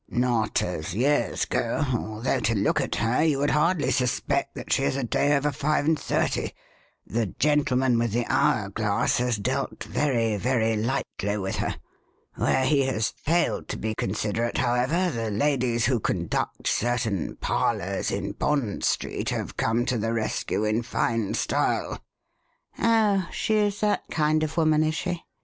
"Not as years go, although, to look at her, you would hardly suspect that she is a day over five and thirty. The Gentleman with the Hour Glass has dealt very, very lightly with her. Where he has failed to be considerate, however, the ladies, who conduct certain 'parlours' in Bond Street, have come to the rescue in fine style." "Oh, she is that kind of woman, is she?"